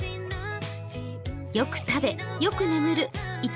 よく食べ、よく眠る五